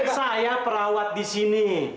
saya perawat disini